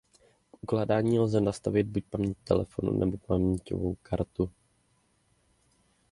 K ukládání lze nastavit buď paměť telefonu nebo paměťovou kartu.